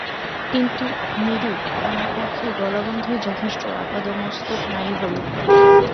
কিন্তু, নীরু, আমার পক্ষে গলাবন্ধই যথেষ্ট– আপাদমস্তক নাই হল।